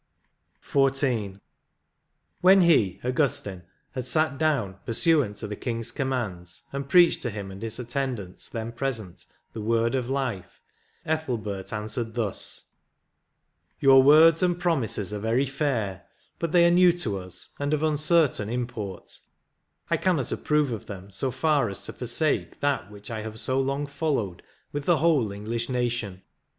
28 XIV. "When he (Augustine) had sat down, pursuant to the king s commands, and preached to him and his attendants then present the word of life, Ethelbert answered thus :—' Your words and pro mises are very fair, but they are new to us, and of uncertain import; I cannot approve of them so far as to forsake that which I have so long fol lowed with the whole English nation.